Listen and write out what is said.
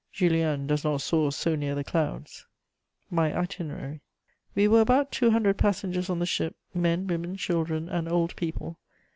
Julien does not soar so near the clouds. MY ITINERARY. "We were about two hundred passengers on the ship, men, women, children and old people.